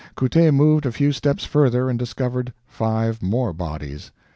Couttet moved a few steps further and discovered five more bodies.